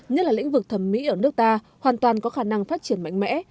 nhất là lĩnh vực thẩm mỹ ở nước ta hoàn toàn có khả năng phát triển mạnh mẽ